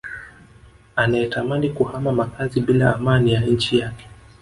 anayetamani kuhama makazi bila amani ya nchi yake